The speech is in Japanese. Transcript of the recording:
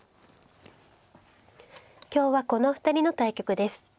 今日はこのお二人の対局です。